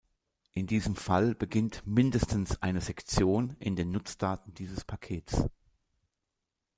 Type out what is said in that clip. In diesem Fall beginnt mindestens eine Sektion in den Nutzdaten dieses Pakets.